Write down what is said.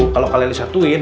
kalau kalian disatuin